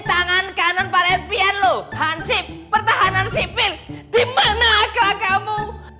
tangan kanan para npn lu hansip pertahanan sipil dimana akra kamu